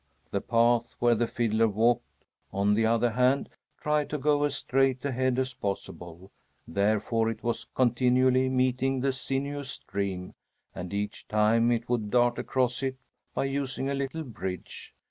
The path where the fiddler walked, on the other hand, tried to go as straight ahead as possible. Therefore it was continually meeting the sinuous stream, and each time it would dart across it by using a little bridge.